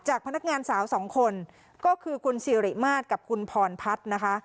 พนักงานสาวสองคนก็คือคุณสิริมาตรกับคุณพรพัฒน์นะคะ